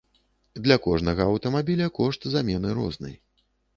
Для кожнага аўтамабіля кошт замены розны.